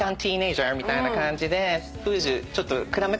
みたいな感じで。